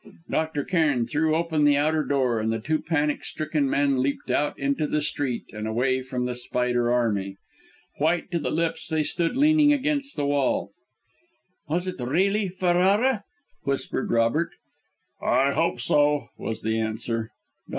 Dr. Cairn threw open the outer door, and the two panic stricken men leapt out into the street and away from the spider army. White to the lips they stood leaning against the wall. "Was it really Ferrara?" whispered Robert. "I hope so!" was the answer. Dr.